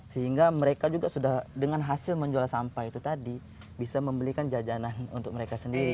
sehingga mereka juga sudah dengan hasil menjual sampah itu tadi bisa membelikan jajanan untuk mereka sendiri